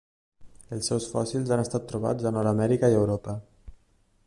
Els seus fòssils han estat trobats a Nord-amèrica i Europa.